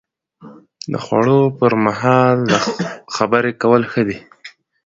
د خوړو پر مهال خبرې کول ښه دي؟